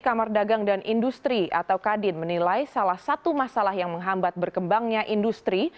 kamar dagang dan industri atau kadin menilai salah satu masalah yang menghambat berkembangnya industri